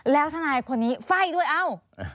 แล้วทนายคนนี้ไฟ่ด้วยเอ้า